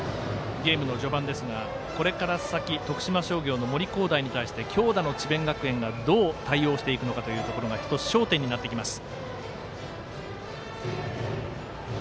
ゲームの序盤ですが、これから先徳島商業の森煌誠に対して強打の智弁学園がどう対応していくのかというところが１つ焦点になってきます。